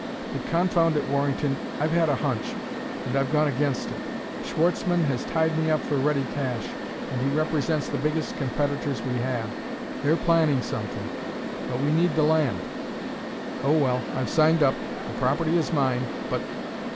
But, confound it, Warrington, I've had a hunch and I've gone against it. Schwartzmann has tied me up for ready cash, and he represents the biggest competitors we have. They're planning something but we need the land.... Oh, well, I've signed up; the property is mine; but...."